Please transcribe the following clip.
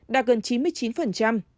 đạt gần chín mươi chín